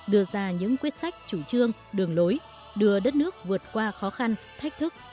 đưa ra những quyết sách chủ trương đường lối đưa đất nước vượt qua khó khăn thách thức